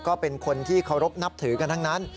ก็เป็นคนที่เคารพนับถือกันทั้งนั้น